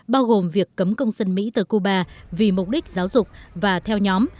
bao gồm việc cấm công dân mỹ từ cuba vì mục đích giáo dục và theo nhóm